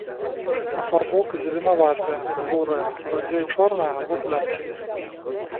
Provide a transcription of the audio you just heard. Афарбоўка зеленаватая, бурая, радзей чорная або плямістая.